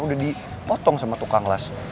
udah dipotong sama tukang las